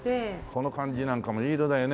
この感じなんかもいい色だよね。